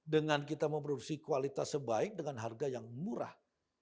dengan kita memproduksi kualitas sebaik dengan harga yang murah